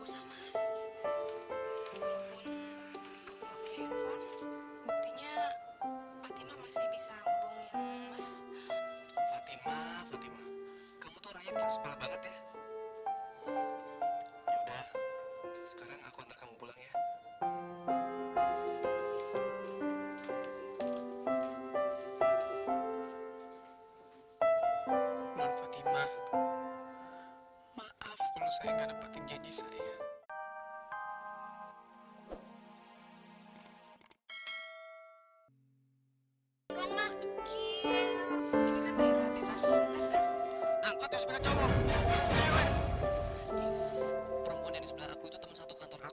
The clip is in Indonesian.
hai nggak usah mas walaupun aku ngapain fun buktinya fatima masih bisa hubungi mas fatima